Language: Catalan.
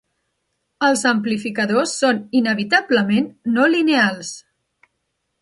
Els amplificadors són inevitablement no lineals.